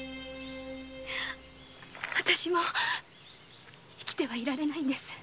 あたしも生きてはいられないんです。